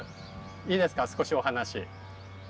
いいですか少しお話。